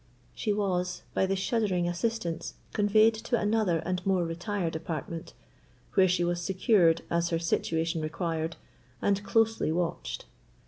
She was, by the shuddering assistants, conveyed to another and more retired apartment, where she was secured as her situation required, and closely watched.